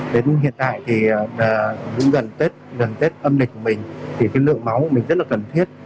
đến hiện tại thì cũng gần tết âm lịch của mình thì lượng máu của mình rất là cần thiết